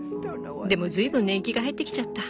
でもずいぶん年季が入ってきちゃった。